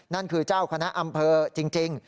นั่นคือเจ้าคณะอำเภอจริง